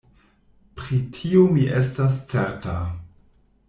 Pri tio mi estas certa.